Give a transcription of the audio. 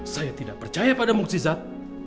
saya tidak percaya pada mukjizat